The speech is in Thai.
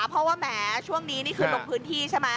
เพราะว่าแหมช่วงนี้นี่คือลงพื้นที่ใช่ไหม